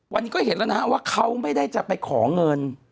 วันนี้ก็เห็นแล้วนะฮะว่าเขาไม่ได้จะไปขอเงิน